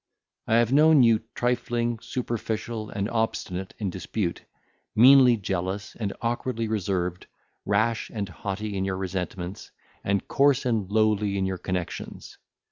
—I have known you trifling, superficial, and obstinate in dispute; meanly jealous and awkwardly reserved; rash and haughty in your resentments; and coarse and lowly in your connexions.